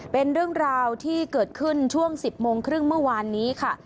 เป็นเรื่องราวที่เกิดขึ้นช่วง๑๐โมงครึ่งเมื่อวานนี้ค่ะ